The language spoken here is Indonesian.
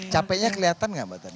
capeknya kelihatan gak mbak tani